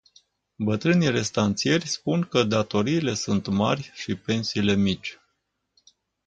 Bătrânii restanțieri spun că datoriile sunt mari și pensiile mici.